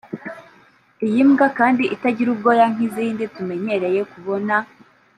Iyi mbwa kandi itagira ubwoya nk’izindi tumenyereye kubona